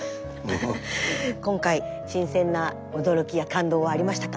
今回新鮮な驚きや感動はありましたか？